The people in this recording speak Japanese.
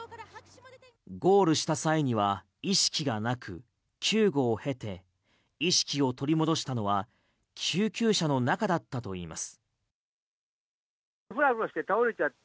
ゴールした際には意識がなく救護を経て意識を取り戻したのは救急車の中だったといいます。